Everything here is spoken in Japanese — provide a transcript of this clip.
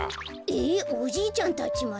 えっおじいちゃんたちまで？